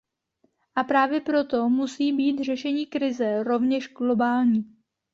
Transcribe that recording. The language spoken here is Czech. A právě proto musí být řešení krize rovněž globální.